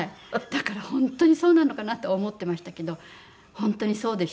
だから本当にそうなのかなと思ってましたけど本当にそうでした。